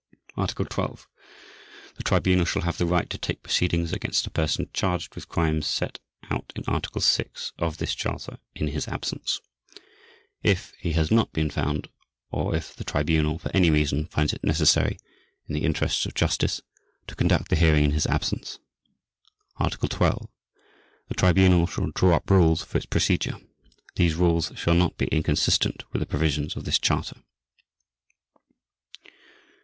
Article 12. The Tribunal shall have the right to take proceedings against a person charged with crimes set out in Article 6 of this Charter in his absence, if he has not been found or if the Tribunal, for any reason, finds it necessary, in the interests of justice, to conduct the hearing in his absence. Article 13. The Tribunal shall draw up rules for its procedure. These rules shall not be inconsistent with the provisions of this Charter.